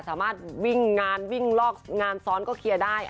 สามารถวิ่งงานวิ่งลอกงานซ้อนก็เคลียร์ได้